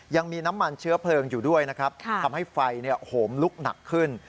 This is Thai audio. ยังมีน้ำมันเชื้อเพลิงอยู่ด้วยนะครับทำให้ไฟโหมลุกหนักขึ้น